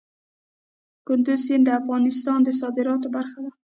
کندز سیند د افغانستان د صادراتو برخه ده.